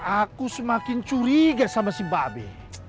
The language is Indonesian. aku semakin curiga sama si mbak abe